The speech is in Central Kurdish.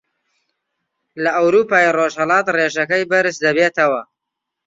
لە ئەورووپای ڕۆژهەڵات ڕێژەکەی بەرز دەبێتەوە